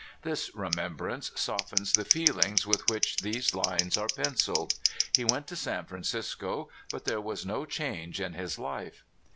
This remembrance soft ens the feelings with which these lines are penciled. He went to San Francisco, but there was no change in his life.